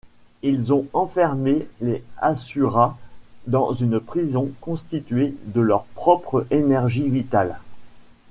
Ils ont enfermé les Asuras dans une prison constituée de leur propre énergie vitale.